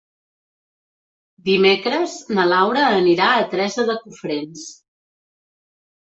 Dimecres na Laura anirà a Teresa de Cofrents.